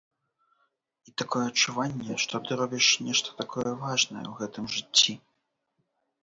І такое адчуванне, што ты робіш нешта такое важнае ў гэтым жыцці.